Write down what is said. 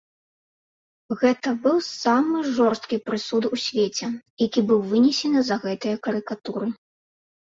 Гэта быў самы жорсткі прысуд у свеце, які быў вынесены за гэтыя карыкатуры.